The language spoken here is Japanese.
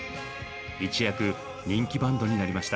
一躍人気バンドになりました。